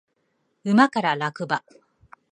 馬から落馬